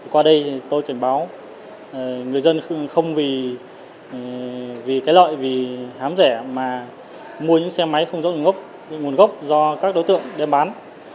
qua đây tôi cảnh báo người dân không vì cái loại vì hám rẻ mà mua những xe máy không rõ nguồn gốc do các đối tượng đem bán